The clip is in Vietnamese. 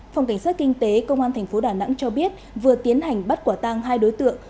phòng cảnh sát kinh tế công an tp đà nẵng cho biết vừa tiến hành bắt quả tang hai đối tượng